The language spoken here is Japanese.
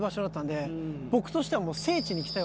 僕としてはもう。